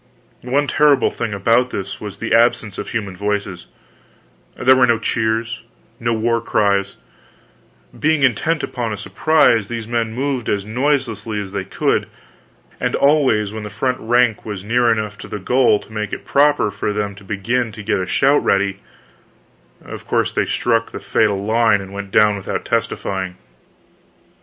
One terrible thing about this thing was the absence of human voices; there were no cheers, no war cries; being intent upon a surprise, these men moved as noiselessly as they could; and always when the front rank was near enough to their goal to make it proper for them to begin to get a shout ready, of course they struck the fatal line and went down without testifying.